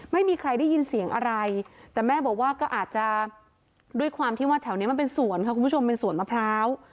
ไม่มีใครได้ยินเสียงอะไรแต่แม่บอกว่าก็อาจจะด้วยความที่ว่าแถวนี้มันเป็นสวนค่ะคุณผู้ชมเป็นสวนมะพร้าว